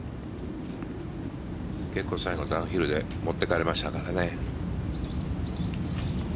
結構最後ダウンヒルで持っていかれましたからね。